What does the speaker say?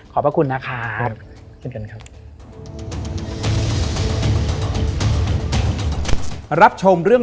ขอบพระคุณนะครับ